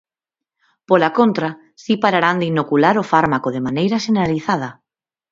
Pola contra, si pararán de inocular o fármaco de maneira xeneralizada.